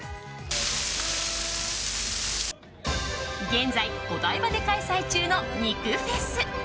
現在、お台場で開催中の肉フェス。